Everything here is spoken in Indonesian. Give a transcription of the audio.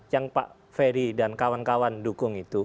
yang pak ferry dan kawan kawan dukung itu